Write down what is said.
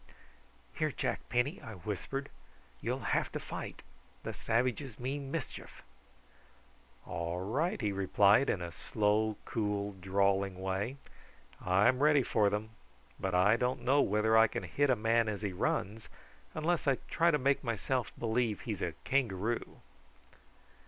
"Here, Jack Penny," I whispered, "you'll have to fight; the savages mean mischief." "All right!" he replied in a slow cool drawling way, "I'm ready for them; but I don't know whether I can hit a man as he runs, unless I try to make myself believe he's a kangaroo."